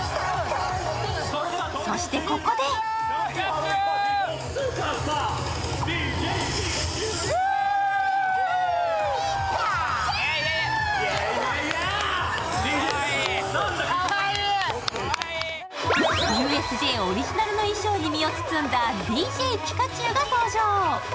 そして、ここでＵＳＪオリジナルの衣装に身を包んだＤＪピカチュウが登場。